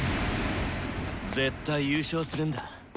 絶対優勝するんだ。